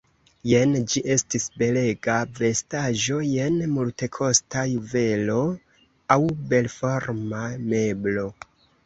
Jen ĝi estis belega vestaĵo, jen multekosta juvelo aŭ belforma meblo.